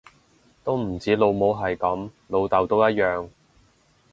都唔止老母係噉，老竇都一樣